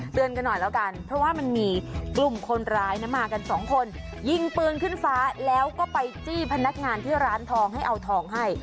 กันหน่อยแล้วกันเพราะว่ามันมีกลุ่มคนร้ายนะมากันสองคนยิงปืนขึ้นฟ้าแล้วก็ไปจี้พนักงานที่ร้านทองให้เอาทองให้